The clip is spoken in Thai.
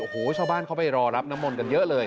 โอ้โหชาวบ้านเขาไปรอรับน้ำมนต์กันเยอะเลย